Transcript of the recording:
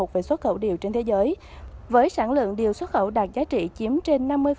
về xuất khẩu điều trên thế giới với sản lượng điều xuất khẩu đạt giá trị chiếm trên năm mươi